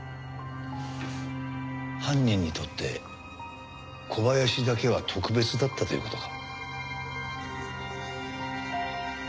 犯人にとって小林だけは特別だったという事か？